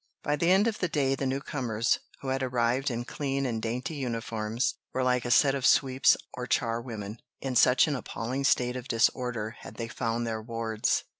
"By the end of the day the new comers, who had arrived in clean and dainty uniforms, were like a set of sweeps or char women, in such an appalling state of disorder had they found their wards."